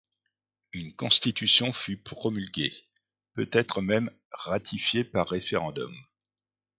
Une Constitution fut promulguée, peut-être même ratifiée par référendum.